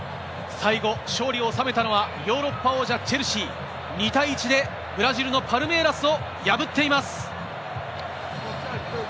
最後、勝利を収めたのはヨーロッパ王者・チェルシー、２対１でブラジルのパルメイラスを破っています。